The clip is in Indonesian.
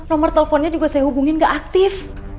nomor teleponnya juga saya hubungin ke aktif